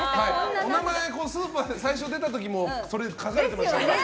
お名前がスーパーで最初に出た時もそれ、書かれてましたよ。